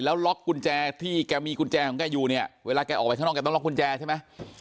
แล้วล็อกกุญแจที่แกมีกุญแจของแกอยู่เนี่ยเวลาแกออกไปข้างนอกแกต้องล็อกกุญแจใช่ไหม